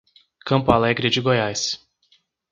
Campo Alegre de Goiás